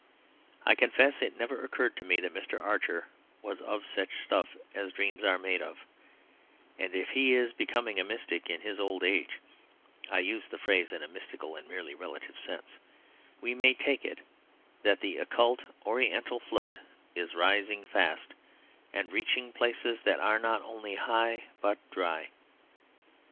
I confess it never occurred to me that Mr. Archer was of such stuff as dreams are made of; and if he is becoming a mystic in his old age (I use the phrase in a mystical and merely relative sense) we may take it that the occult oriental flood is rising fast, and reaching places that are not only high but dry.